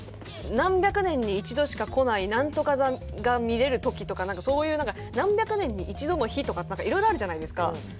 何百年に一度しか来ないなんとか座が見れる時とかなんかそういうなんか何百年に一度の日とかってなんか色々あるじゃないですか。